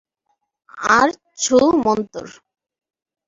আর ছুঃ মন্তর!